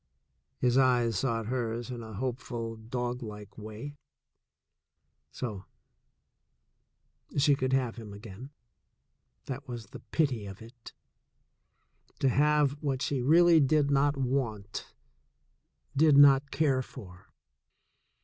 His eyes sought hers in a hopeful, doglike way. So — she could have him again — that was the pity of it ! To have what she really did not want, did not care for!